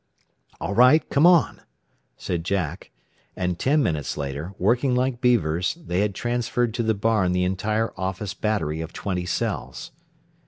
"All right. Come on," said Jack. And ten minutes later, working like beavers, they had transferred to the barn the entire office battery of twenty cells.